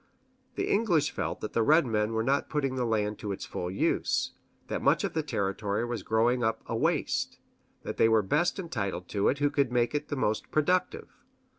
The English felt that the red men were not putting the land to its full use, that much of the territory was growing up as a waste, that they were best entitled to it who could make it the most productive.